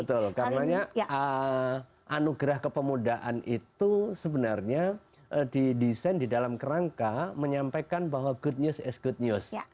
betul karena anugerah kepemudaan itu sebenarnya didesain di dalam kerangka menyampaikan bahwa good news is good news